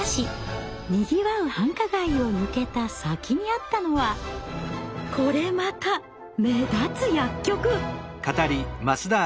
にぎわう繁華街を抜けた先にあったのはこれまた目立つ薬局！